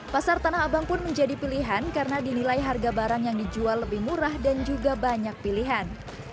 pasar tanah abang pun menjadi pilihan karena dinilai harga barang yang dijual lebih murah dan juga banyak pilihan